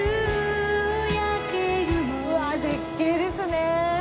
うわあ絶景ですね。